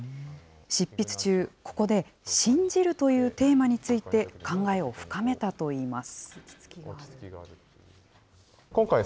執筆中、ここで信じるというテーマについて、考えを深めたといいます。